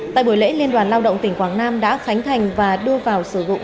tại buổi lễ liên đoàn lao động tỉnh quảng nam đã khánh thành và đưa vào sử dụng